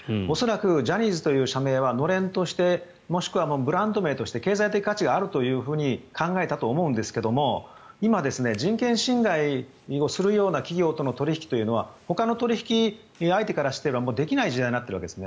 ジャニーズという名前はのれんとしてもしくはブランド名として経済的価値があると思ったと思うんですが今、人権侵害をするような企業との取引というのはほかの取引相手としてはできない時代になっているわけです。